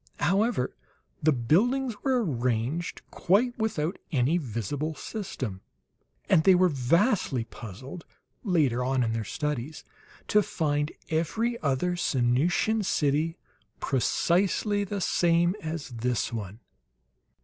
However, the buildings were arranged quite without any visible system. And they were vastly puzzled, later on in their studies, to find every other Sanusian city precisely the same as this one.